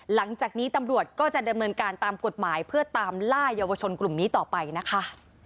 หลังจากนี้ตำรวจก็จะดำเนินการตามกฎหมายเพื่อตามล่าเยาวชนกลุ่มนี้ต่อไปนะคะ